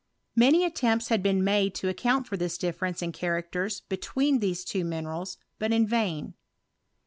Many attempts had been made to account fix this difference in characters between these twomtruH lals, but in vain.